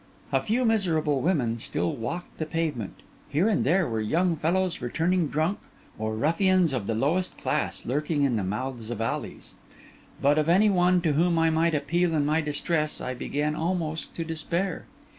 A few miserable women still walked the pavement; here and there were young fellows returning drunk, or ruffians of the lowest class lurking in the mouths of alleys; but of any one to whom I might appeal in my distress, I began almost to despair.